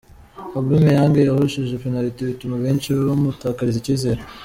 Aubameyang yahushije penaliti bituma benshi bamutakariza icyizere.